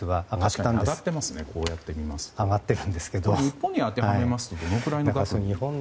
これを日本に当てはめますとどのくらいの額に。